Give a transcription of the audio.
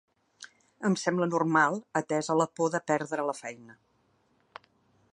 Em sembla normal, atesa la por de perdre la feina.